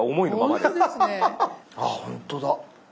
あっほんとだ。